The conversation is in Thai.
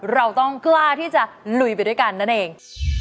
เราต้องกล้าที่จะลุยไปด้วยกันนั่นเอง